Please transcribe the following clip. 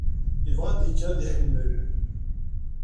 Yebɣa ad-yekker ad iḥemmel.